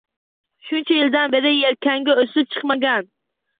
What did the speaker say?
Shuncha yildan beri yelkangda o‘sib chiqmagan